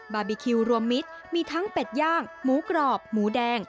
บาร์บีคิวรวมมิตรมีทั้งเป็ดย่างหมูกรอบหมูแดง